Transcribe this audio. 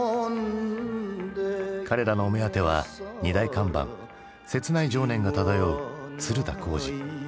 彼らのお目当ては２大看板切ない情念が漂う鶴田浩二。